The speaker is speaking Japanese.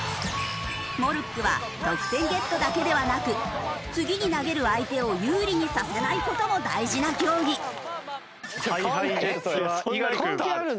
モルックは得点ゲットだけではなく次に投げる相手を有利にさせない事も大事な競技。ＨｉＨｉＪｅｔｓは猪狩君。